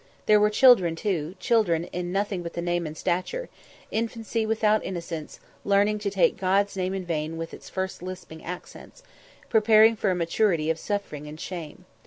There were children too, children in nothing but the name and stature infancy without innocence, learning to take God's name in vain with its first lisping accents, preparing for a maturity of suffering and shame.